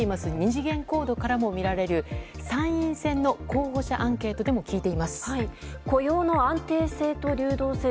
２次元コードからも見られる参院選の候補者アンケートでも雇用の安定性と流動性。